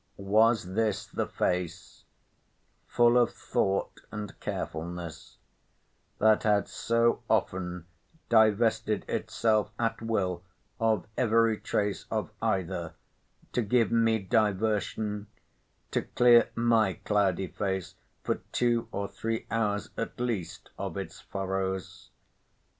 Was this the face—full of thought and carefulness—that had so often divested itself at will of every trace of either to give me diversion, to clear my cloudy face for two or three hours at least of its furrows?